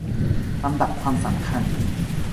ลำดับความสำคัญ